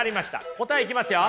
答えいきますよ。